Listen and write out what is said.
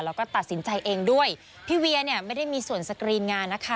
แล้วก็ตัดสินใจเองด้วยพี่เวียเนี่ยไม่ได้มีส่วนสกรีนงานนะคะ